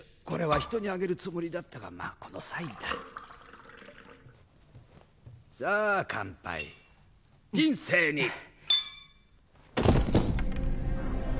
これはひとにあげるつもりだったがまあこの際ださあ乾杯人生に！